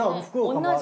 同じ。